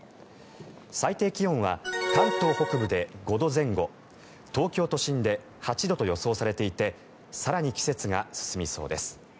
最低気温は関東北部で５度前後東京都心で８度と予想されていて更に季節が進みそうです。